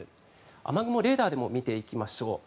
雨雲をレーダーでも見ていきましょう。